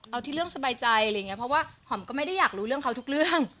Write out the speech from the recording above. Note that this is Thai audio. เอาที่เรื่องสบายใจอะไรอย่างนี้เพราะว่าหอมก็ไม่ได้อยากรู้เรื่องเขาทุกเรื่อง